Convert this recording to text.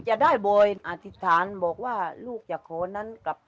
จะได้บ่อยอาทิตย์ศาลบอกว่าลูกอย่าขอนั้น